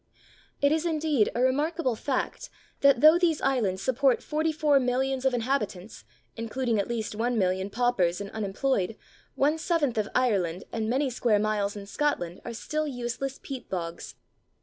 ] It is indeed a remarkable fact that though these islands support 44,000,000 of inhabitants, including at least 1,000,000 paupers and unemployed, one seventh of Ireland and many square miles in Scotland are still useless peat bogs!